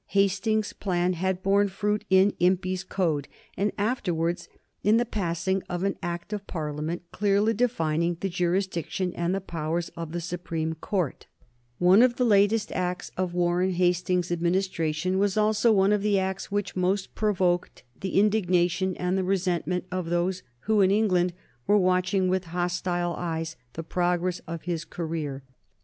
Hastings's plan had borne fruit in Impey's "Code," and afterwards in the passing of an Act of Parliament clearly defining the jurisdiction and the powers of the Supreme Court. [Sidenote: 1781 Hastings and the Rajah of Benares] One of the latest acts of Warren Hastings's administration was also one of the acts that most provoked the indignation and the resentment of those who in England were watching with hostile eyes the progress of his career.